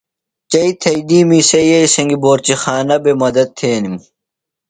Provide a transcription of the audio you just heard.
چئی تھئینیمی سےۡ یئی سنگیۡ بورچی خانہ بےۡ مدت تھینِم۔